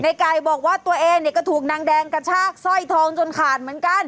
ไก่บอกว่าตัวเองเนี่ยก็ถูกนางแดงกระชากสร้อยทองจนขาดเหมือนกัน